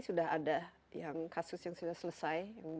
sudah ada kasus yang sudah selesai